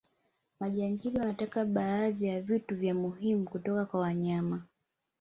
majingili wanataka baadhi ya vitu vya muhimu kutoka kwa wanyama